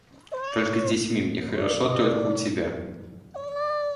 Только с детьми мне хорошо, только у тебя.